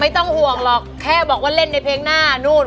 ต้องห่วงหรอกแค่บอกว่าเล่นในเพลงหน้านู่น